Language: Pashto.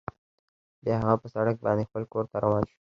بیا هغه په سړک باندې خپل کور ته روان شو